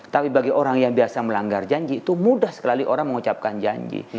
tapi bagi orang yang biasa melanggar janji itu mudah sekali orang mengucapkan janji